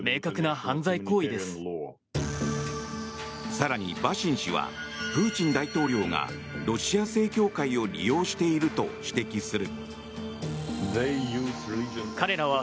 更にヴァシン氏はプーチン大統領がロシア正教会を利用していると指摘する。